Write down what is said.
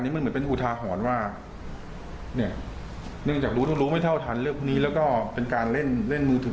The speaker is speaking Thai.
เนื่องจากรู้ไม่เท่าทันเรื่องคนนี้แล้วก็เป็นการเล่นมือถือ